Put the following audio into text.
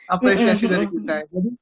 apresiasi dari kita